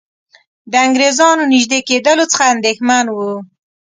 د انګریزانو نیژدې کېدلو څخه اندېښمن وو.